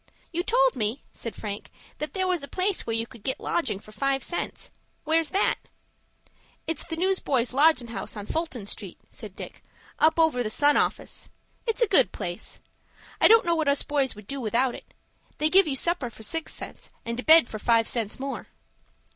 "You told me," said Frank, "that there was a place where you could get lodging for five cents. Where's that?" "It's the News boys' Lodgin' House, on Fulton Street," said Dick, "up over the 'Sun' office. It's a good place. I don't know what us boys would do without it. They give you supper for six cents, and a bed for five cents more."